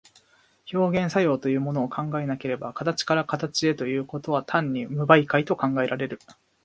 表現作用というものを考えなければ、形から形へということは単に無媒介と考えられる。